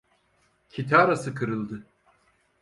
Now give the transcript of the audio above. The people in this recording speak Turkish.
Kitarası kırıldı.